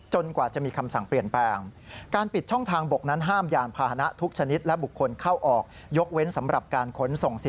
จนกว่าจะมีคำสั่งเปลี่ยนแปลง